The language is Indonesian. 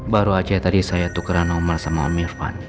baru aja tadi saya tukeran nomor sama om mevan